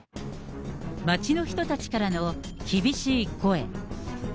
街の人たちからの厳しい声。